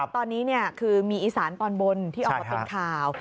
ตอนนี้คือมีอีสานตอนบนที่ออกมาเป็นข่าว